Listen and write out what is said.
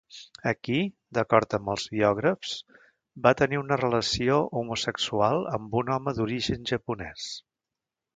Aquí, d'acord amb els biògrafs, va tenir una relació homosexual amb un home d'origen japonès.